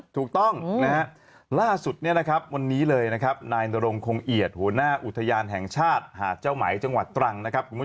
ถูกต้องล่าสุดวันนี้เลยนายนรงคงเอียดหัวหน้าอุทยานแห่งชาติหาดเจ้าไหมจังหวัดตรัง